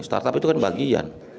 startup itu kan bagian